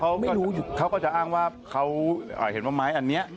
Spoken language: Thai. ก็ไม่รู้ไม่รู้อยู่เขาก็จะอ้างว่าเขาเห็นว่าไม้อันนี้